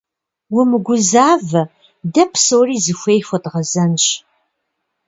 Умыгузавэ, дэ псори зыхуей хуэдгъэзэнщ.